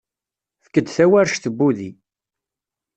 Efk-d tawarect n wudi.